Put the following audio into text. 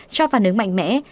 cho phản ứng mạnh mẽ